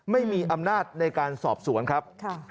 ไม่มีอำนาจในการสอบสวนครับ